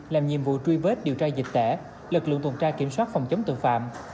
làm nhiệm vụ truy bếp điều tra dịch tẻ lực lượng tuần tra kiểm soát phòng chống tự phạm